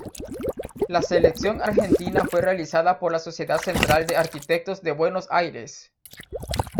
La selección argentina fue realizada por la Sociedad Central de Arquitectos de Buenos Aires.